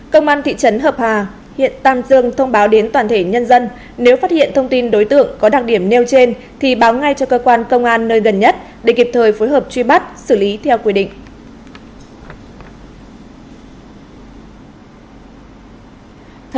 công an thị trấn hợp hà huyện tam dương thông báo đến toàn thể nhân dân nếu phát hiện thông tin đối tượng có đặc điểm nêu trên thì báo ngay cho cơ quan công an nơi gần nhất để kịp thời phối hợp truy bắt xử lý theo quy định